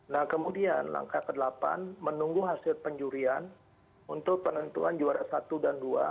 nah kemudian langkah ke delapan menunggu hasil penjurian untuk penentuan juara satu dan dua